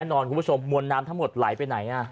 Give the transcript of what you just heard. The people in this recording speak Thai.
แน่นอนคุณผู้ชมมวลน้ำทั้งหมดไหลไปไหน